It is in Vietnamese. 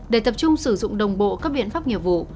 để tập trung sử dụng đồng bộ các biện pháp nghiệp vụ